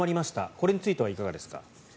これについてはいかがですか。